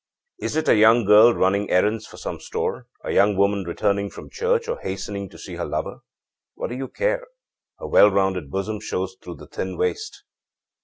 âIs it a young girl running errands for some store, a young woman returning from church, or hastening to see her lover? What do you care? Her well rounded bosom shows through the thin waist.